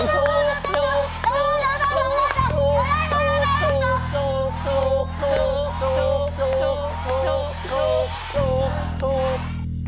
ถูกถูกถูกถูกถูกถูกถูกถูกถูกถูกถูก